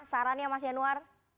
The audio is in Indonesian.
sarannya mas yanuar